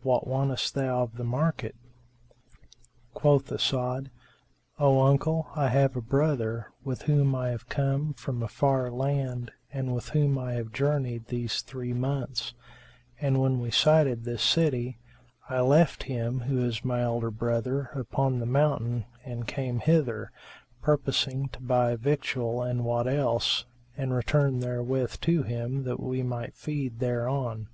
What wantest thou of the market?" Quoth As'ad, "O uncle, I have a brother, with whom I have come from a far land and with whom I have journeyed these three months; and, when we sighted this city, I left him, who is my elder brother, upon the mountain and came hither, purposing to buy victual and what else, and return therewith to him, that we might feed thereon."